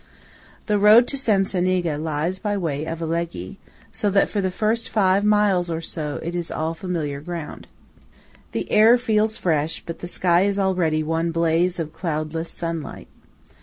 The road to Cencenighe lies by way of Alleghe, so that for the first five miles or more it is all familiar ground. The air is fresh, but the sky is already one blaze of cloudless sunlight.